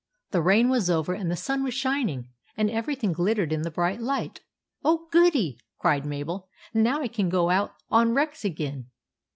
The rain was over, and the sun was shining, and everything glittered in the bright light. " Oh, goody !" cried Mabel. " Now I can go out on Rex again